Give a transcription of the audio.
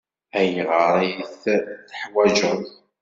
Ayɣer ay t-teḥwajeḍ?